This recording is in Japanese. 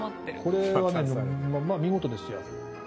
これはねもう見事ですよ。